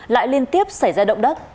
lại liên tiếp xảy ra động đất